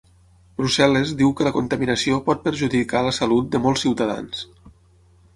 Brussel·les diu que la contaminació pot perjudicar la salut de molts ciutadans